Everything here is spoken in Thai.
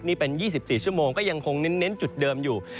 นี่เป็น๒๔ชั่วโมงก็ยังคงเน้นจุดเดิมอยู่